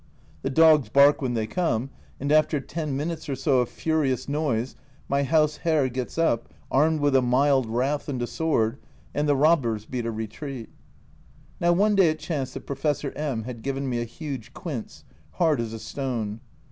The dogs bark when they come, and after ten minutes or so of furious noise my house Herr gets up, armed with a mild wrath and a sword, and the robbers beat a retreat. Now one day it chanced that Professor M had given me a huge quince, hard as a stone.